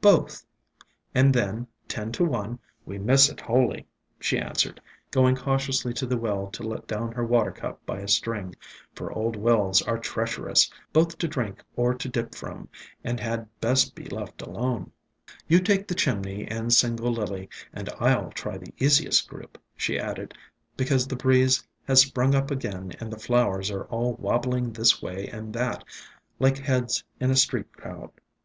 "Both, and then, ten to one, we miss it wholly," she answered, going cautiously to the well to let down her water cup by a string, for old wells are treacherous, both to drink or to dip from, and had best be left alone. "You take the chimney and single Lily and I'll try the easiest group," she added; "because the ESCAPED FROM GARDENS 87 breeze has sprung up again and the flowers are all wabbling this way and that, like heads in a street crowd."